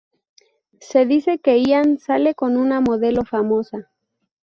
Se dice que Ian sale con una modelo famosa.